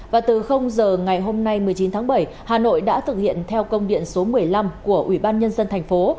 và từ giờ ngày hôm nay một mươi chín tháng bảy hà nội đã thực hiện theo công điện số một mươi năm của ủy ban nhân dân thành phố